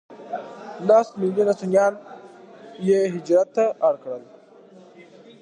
لس ملیونه سنیان یې هجرت ته اړ کړل.